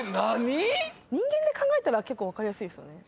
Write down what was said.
人間で考えたら結構分かりやすい？